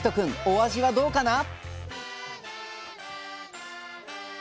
お味はどうかな？